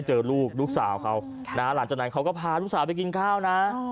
เจอลูกลูกสาวเขาหลังจากนั้นเขาก็พาลูกสาวไปกินข้าวนะ